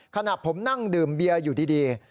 ขณะผมนั่งดื่มเบียร์อยู่ดี